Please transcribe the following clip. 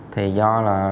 thì do là